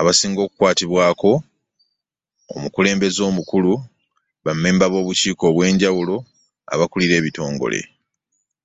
Abasinga Okukwatibwako; Omukulembeze Omukulu, Bammemba b’Obukiiko obw’Enjawulo, Abakulira Ebitongole.